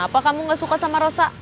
kenapa kamu gak suka sama rosa